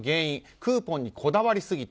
クーポンにこだわりすぎた。